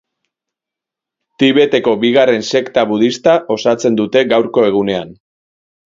Tibeteko bigarren sekta budista osatzen dute gaurko egunean.